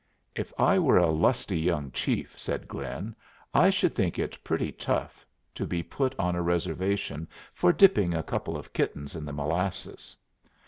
"If I were a lusty young chief," said Glynn, "I should think it pretty tough to be put on a reservation for dipping a couple of kittens in the molasses."